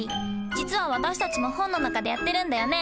実は私たちも本の中でやってるんだよね。